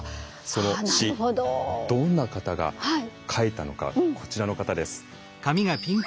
その詩どんな方が書いたのかこちらの方です。